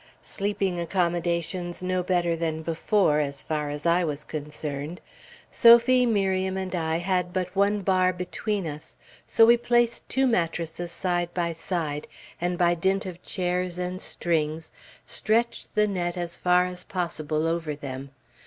Sleeping accommodations no better than before, as far as I was concerned. Sophie, Miriam, and I had but one bar between us, so we placed two mattresses side by side, and by dint of chairs and strings, stretched the net as far as possible over them.